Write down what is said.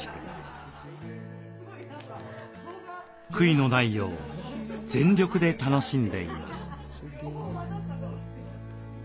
悔いのないよう全力で楽しんでいます。